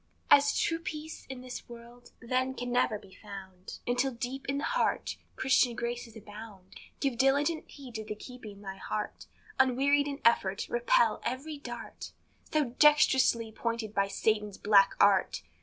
As true peace in this world, then, can never be found, Until deep in the heart Christian graces abound, Give diligent heed to the keeping thy heart; Unwearied in effort, repel every dart So dextrously pointed by Satan's black art.